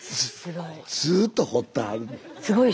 ずっと掘ってはる。